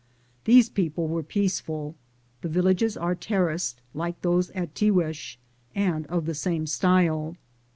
These people were peaceful. The villages are terraced, like those at Tiguex, and of the same style.